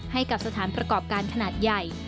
ให้กับสถานประกอบการขนาดใหญ่